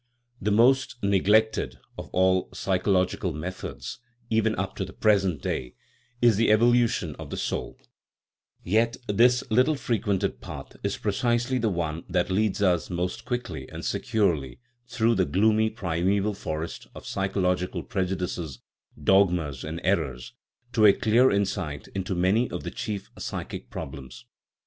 The most neglected of all psychological methods, even up to the present day, is the evolution of the soul ; yet this little frequented path is precisely the one that leads us most quickly and securely through the gloomy primeval forest of psychological prejudices, dogmas, and errors, to a clear insight into many of the chief psychic problems.